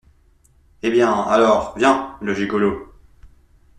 Eh bien, alors, viens, le gigolo !